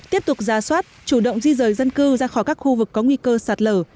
tiếp tục ra soát chủ động di rời dân cư ra khỏi các khu vực có nguy cơ sạt lở